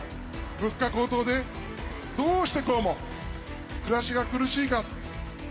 物価高騰で、どうしてこうも暮らしが苦しいか。